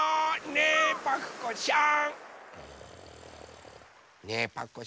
ねえパクこさん！